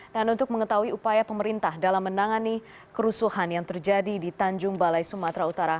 dan untuk mengetahui upaya pemerintah dalam menangani kerusuhan yang terjadi di tanjung balai sumatera utara